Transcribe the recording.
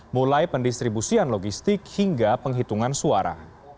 mulai pendistribusian logistik hingga penghitungan suara